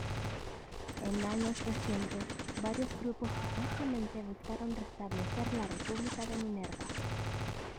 En años recientes, varios grupos supuestamente buscaron restablecer la República de Minerva.